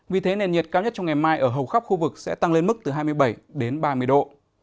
vì thế nền nhiệt cao nhất trong ngày mai ở hầu khắp khu vực sẽ tăng lên mức từ hai mươi bảy đến ba mươi độ